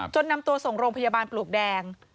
นำตัวส่งโรงพยาบาลปลวกแดง